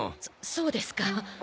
そうですか。